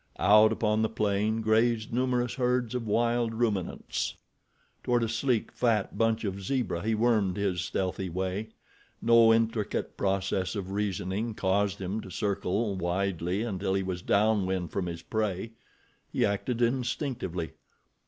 Out upon the plain grazed numerous herds of wild ruminants. Toward a sleek, fat bunch of zebra he wormed his stealthy way. No intricate process of reasoning caused him to circle widely until he was down wind from his prey—he acted instinctively.